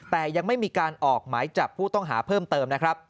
แต่ยังไม่มีการออกหมายจับผู้ต้องหาเพิ่มเติมนะครับ